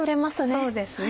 そうですね。